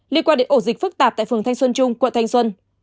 liên quan đến ổ dịch phức tạp tại phường thanh xuân trung quận thanh xuân